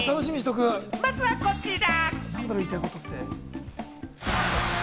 まずはこちら！